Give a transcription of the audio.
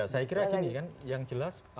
saya kira gini kan yang jelas